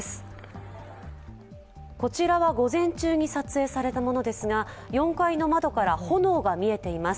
こちらは午前中に撮影されたものですが４階の窓から炎が見えています。